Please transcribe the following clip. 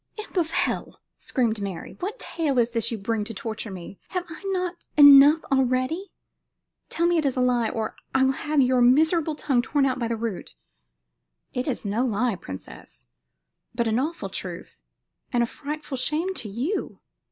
"Imp of hell!" screamed Mary; "what tale is this you bring to torture me? Have I not enough already? Tell me it is a lie, or I will have your miserable little tongue torn out by the root." "It is no lie, princess, but an awful truth, and a frightful shame to you."